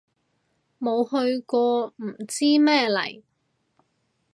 冇去過唔知咩嚟